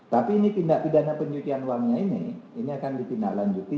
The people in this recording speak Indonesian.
tapi ini tindak pidana pencucian uangnya ini ini akan ditindaklanjuti